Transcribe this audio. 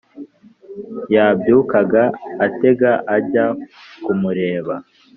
yabyukaga atega ajya kumureba